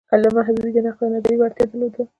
علامه حبیبي د نقد او نظریې وړتیا درلوده.